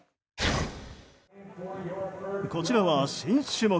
こちらは新種目。